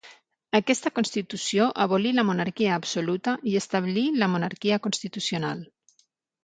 Aquesta constitució abolí la monarquia absoluta i establí la monarquia constitucional.